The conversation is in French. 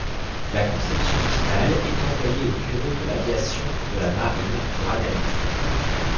Le conception finale est envoyée au bureau de l'aviation de la marine pour analyse.